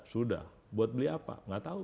sudah buat beli apa gak tau